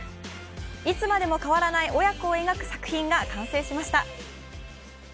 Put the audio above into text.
いつまでも変わらない親子を描く作品が完成しました。